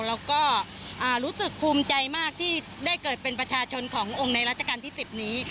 แล้วก็รู้สึกภูมิใจมากที่ได้เกิดเป็นประชาชนขององค์ในรัชกาลที่๑๐นี้